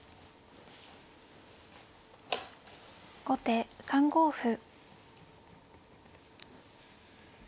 後手３五歩。